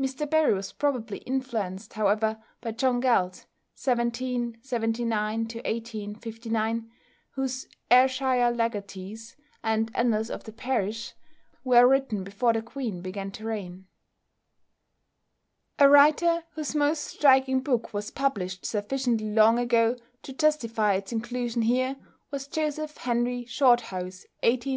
Mr Barrie was probably influenced, however, by John Galt (1779 1859), whose "Ayrshire Legatees" and "Annals of the Parish" were written before the Queen began to reign. A writer whose most striking book was published sufficiently long ago to justify its inclusion here, was =Joseph Henry Shorthouse (1834 )=.